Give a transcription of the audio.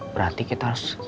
berarti kita harus